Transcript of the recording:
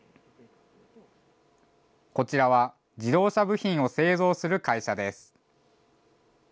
こちらは自動車部品を製造する会社です。